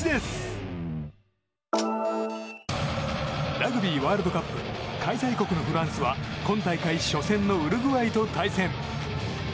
ラグビーワールドカップ開催国のフランスは今大会初戦のウルグアイと対戦。